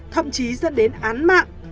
thậm chí dẫn đến án mạng